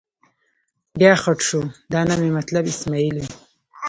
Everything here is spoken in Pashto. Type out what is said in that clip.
بیا خټ شو، دا نه مې مطلب اسمعیل و.